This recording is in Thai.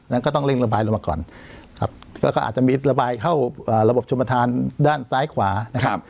นั้นก็ต้องเร่งระบายลงมาก่อนครับแล้วก็อาจจะมีระบายเข้าระบบชมธานด้านซ้ายขวานะครับ